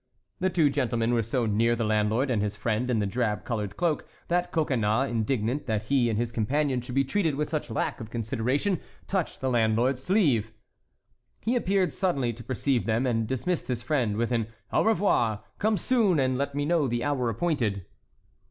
The two gentlemen were so near the landlord and his friend in the drab colored cloak that Coconnas, indignant that he and his companion should be treated with such lack of consideration, touched the landlord's sleeve. He appeared suddenly to perceive them, and dismissed his friend with an "Au revoir! come soon and let me know the hour appointed."